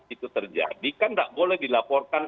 itu terjadi kan tidak boleh dilaporkan